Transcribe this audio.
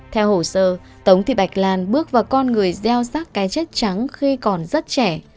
theo hồ sơ tổng thị bạch lan bước vào con người gieo sát cái chất trắng khi còn rất trẻ